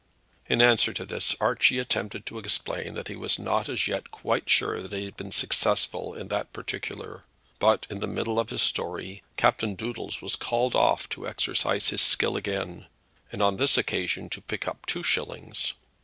In answer to this Archie attempted to explain that he was not as yet quite sure that he had been successful in that particular; but in the middle of his story Captain Doodles was called off to exercise his skill again, and on this occasion to pick up two shillings.